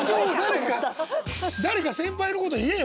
誰か先輩のこと言えよ！